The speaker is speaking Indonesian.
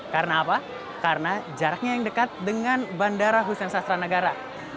karena apa karena jaraknya yang dekat dengan bandara hussein sastra negara